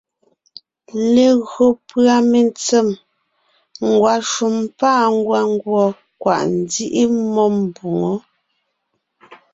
Legÿo pʉ́a mentsèm, ngwàshùm pâ ngwàngùɔ, kwàʼ nzíʼi mmó mbòŋo.